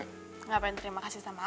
gak pengen terima kasih sama aku